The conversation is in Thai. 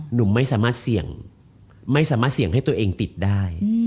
หนูไม่สามารถเสี่ยงไม่สามารถเสี่ยงให้ตัวเองติดได้